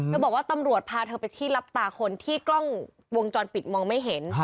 บอกว่าตำรวจพาเธอไปที่รับตาคนที่กล้องวงจรปิดมองไม่เห็น